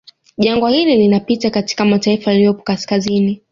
Jangwa hili linapita katika mataifa yaliyopo kaskazini